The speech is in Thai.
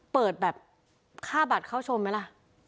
เปิดแบบค่าบัตรเข้าชมไหมล่ะ